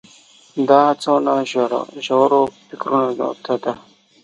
دا هڅونه ژورو فکرونو ته ده.